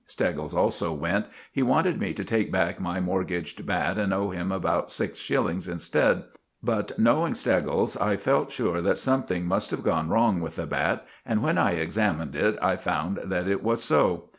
Steggles also went. He wanted me to take back my mortgaged bat and owe him about six shillings instead, but, knowing Steggles, I felt sure that something must have gone wrong with the bat, and when I examined it, I found that it was so.